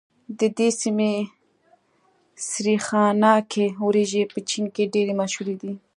د دې سيمې سرېښناکې وريجې په چين کې ډېرې مشهورې دي.